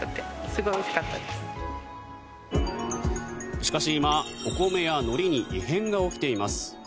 しかし今、お米やのりに異変が起きています。